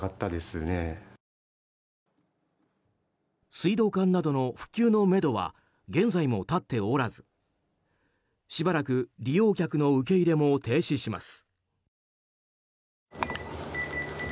水道管などの復旧のめどは現在も立っておらずしばらく利用客の受け入れも停止します。